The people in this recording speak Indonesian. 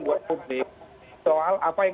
buat publik soal apa yang